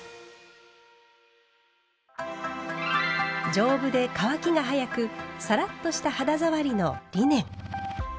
丈夫で乾きが早くサラッとした肌触りのリネン。